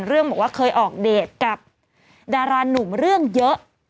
บอกว่าเคยออกเดทกับดารานุ่มเรื่องเยอะ